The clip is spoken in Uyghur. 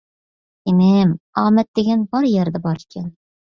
ئىنىم، ئامەت دېگەنمۇ بار يەردە بار ئىكەن.